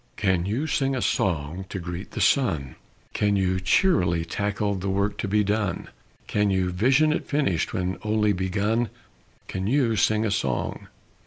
Can you sing a song to greet the sun, Can you cheerily tackle the work to be done, Can you vision it finished when only begun, Can you sing a song?